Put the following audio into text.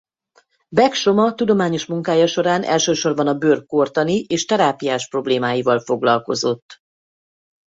Beck Soma tudományos munkája során elsősorban a bőr kórtani és terápiás problémáival foglalkozott.